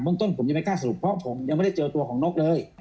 ต้นผมยังไม่กล้าสรุปเพราะผมยังไม่ได้เจอตัวของนกเลย